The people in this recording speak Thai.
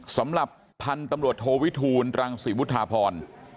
สำหรับพันธุ์ตำรวจโทวิทูลรังศรีวุฒาพร